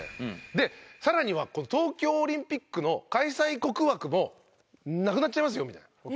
で更には東京オリンピックの開催国枠もなくなっちゃいますよみたいな。